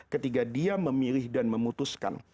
ketika dia memilih dan memutuskan